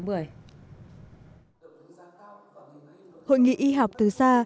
hội nghị y học từ xa